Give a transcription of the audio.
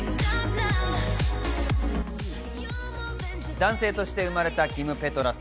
男性として生まれたキム・ペトラス。